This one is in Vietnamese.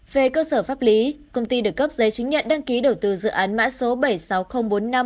về cơ sở pháp lý công ty được cấp giấy chứng nhận đăng ký đầu tư dự án mã số bảy sáu không bốn năm một bốn hai ba